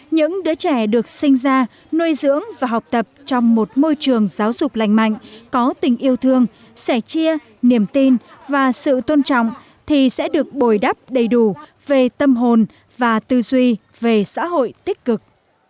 ngoài ra nuôi dưỡng và học tập trong một môi trường giáo dục lành mạnh có tình yêu thương sẻ chia niềm tin và sự tôn trọng thì sẽ được bồi đắp đầy đủ về tâm hồn và tư duy về xã hội tích cực